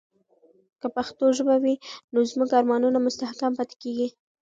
که پښتو ژبه وي، نو زموږ ارمانونه مستحکم پاتې کیږي.